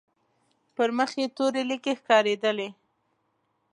پر مخ يې تورې ليکې ښکارېدلې.